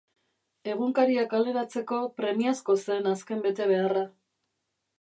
Egunkaria kaleratzeko premiazko zen azken betebeharra.